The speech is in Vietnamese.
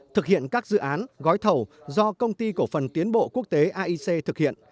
thực hiện các dự án gói thầu do công ty cổ phần tiến bộ quốc tế aic thực hiện